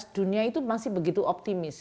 dua ribu lima belas dunia itu masih begitu optimis